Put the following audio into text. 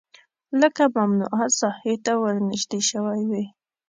لکه ممنوعه ساحې ته ورنژدې شوی وي